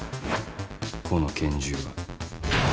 この拳銃は。